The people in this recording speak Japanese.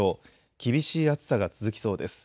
厳しい暑さが続きそうです。